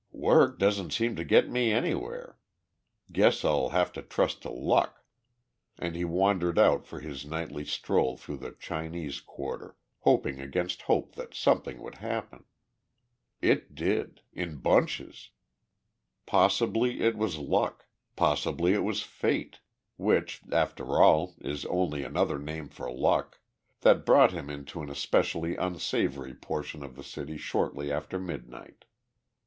"Work doesn't seem to get me anywhere. Guess I'll have to trust to luck," and he wandered out for his nightly stroll through the Chinese quarter, hoping against hope that something would happen. It did in bunches! Possibly it was luck, possibly it was fate which, after all, is only another name for luck that brought him into an especially unsavory portion of the city shortly after midnight.